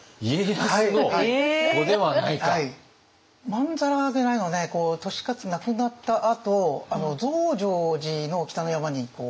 まんざらでないのはね利勝亡くなったあと増上寺の北の山に埋められてるんですね。